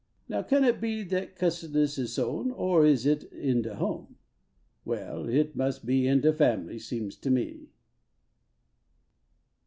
Now can it be Dat cussidness is sown, Or is it in de bone ? Well, hit inns be in de family, seems to me.